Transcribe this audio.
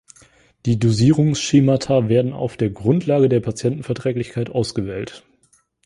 Die Dosierungsschemata werden auf der Grundlage der Patientenverträglichkeit ausgewählt.